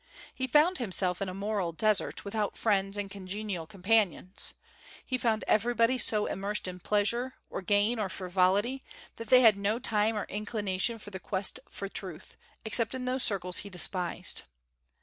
He found himself in a moral desert, without friends and congenial companions. He found everybody so immersed in pleasure, or gain, or frivolity, that they had no time or inclination for the quest for truth, except in those circles he despised.